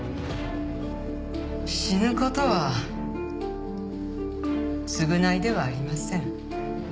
死ぬ事は償いではありません。